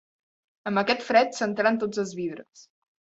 Amb aquest fred s'entelen tots els vidres.